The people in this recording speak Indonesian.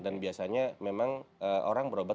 dan biasanya memang orang berobat